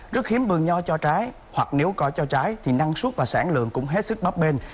rất khiếm bường nho cho trái hoặc nếu có cho trái thì năng suất và sản lượng cũng hết sức bóp bên